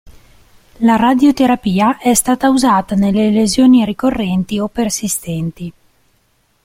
La radioterapia è stata usata nelle lesioni ricorrenti o persistenti.